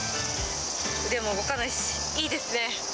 腕も動かないし、いいですね。